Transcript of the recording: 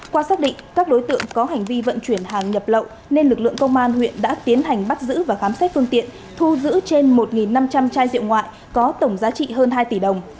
qua xác định các đối tượng có hành vi vận chuyển hàng nhập lậu nên lực lượng công an huyện đã tiến hành bắt giữ và khám xét phương tiện thu giữ trên một năm trăm linh chai rượu ngoại có tổng giá trị hơn hai tỷ đồng